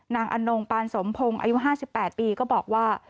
อนงปานสมพงศ์อายุ๕๘ปีก็บอกว่า